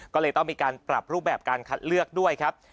ก็เลยต้องมีการปรับรูปแบบการคัดเลือกด้วยครับ